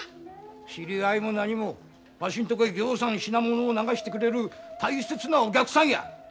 知り合いもなにもわしのとこへぎょうさん品物を流してくれる大切なお客さんや。